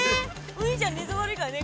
お兄ちゃん寝相悪いからね